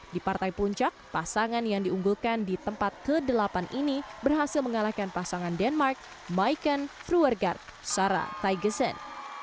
di partai puncak pasangan yang diunggulkan di tempat ke delapan ini berhasil mengalahkan pasangan denmark miken fruer guard sarah taigesen